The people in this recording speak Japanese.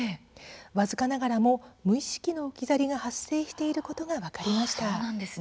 僅かながらも無意識の置き去りが発生していることが分かりました。